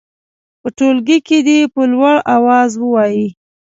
په ټولګي کې دې په لوړ اواز ووايي.